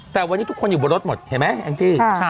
แต่วันนี้ทุกคนอยู่บนรถหมดเห็นไหมแองจี้